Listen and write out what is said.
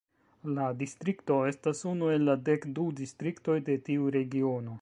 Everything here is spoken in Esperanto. La distrikto estas unu el la dek du distriktoj de tiu Regiono.